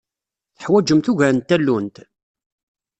Teḥwajemt ugar n tallunt?